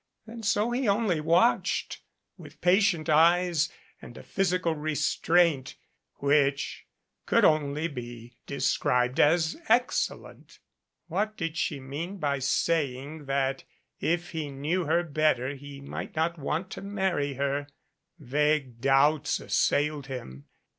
And so he only watched with 295 patient eyes and a physical restraint which could only be described as "excellent." What did she mean by saying that if he knew her better he might not want to marry her? Vague doubts assailed him.